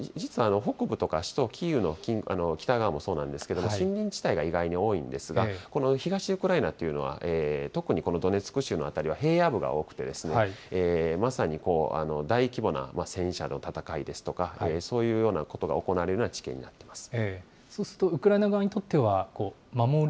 軍事的な意味でいうと、この東部というのは、どういった場所実は北部とか首都キーウの北側もそうなんですけれども、森林地帯が意外に多いんですが、この東ウクライナというのは、特にこのドネツク州の辺りは平野部が多くて、まさに大規模な戦車の戦いですとか、そういうようなことが行われるような地形になっています。